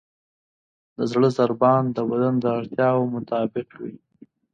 د زړه ضربان د بدن د اړتیاوو مطابق وي.